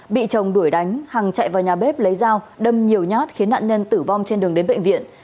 bị chồng đuổi đánh hằng chạy vào nhà bếp lấy dao đâm nhiều nhát khiến nạn nhân tử vong trên đường đến bệnh viện